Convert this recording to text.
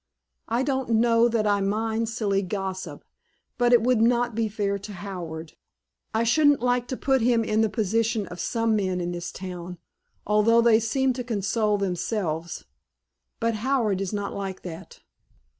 I don't know that I mind silly gossip, but it would not be fair to Howard. I shouldn't like to put him in the position of some men in this town; although they seem to console themselves! But Howard is not like that."